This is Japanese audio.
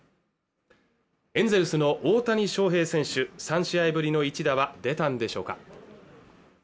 エンゼルスの大谷翔平選手３試合ぶりの一打は出たんでしょうか